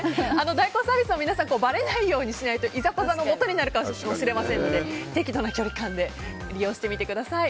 代行サービスを皆さんばれないようにしないといざこざのもとになるかもしれませんので適度な距離感で利用してみてください。